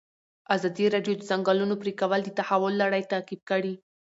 ازادي راډیو د د ځنګلونو پرېکول د تحول لړۍ تعقیب کړې.